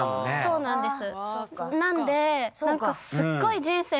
そうなんです。